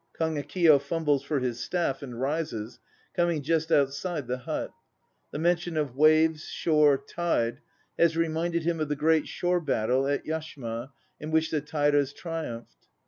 (KAGEKIYO fumbles for his staff and rises, coming just outside the hut. The mention of "waves" "shore" "tide" has re minded him of the great shore battle at Yashima in which the Tairas triumphed.)